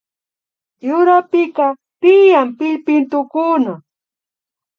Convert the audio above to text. Yurapika tiyan pillpintukuna